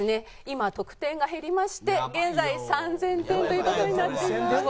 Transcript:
今得点が減りまして現在３０００点という事になっています。